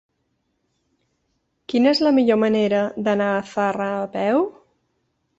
Quina és la millor manera d'anar a Zarra a peu?